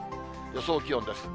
予想気温です。